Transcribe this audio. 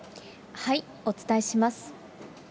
お伝えします。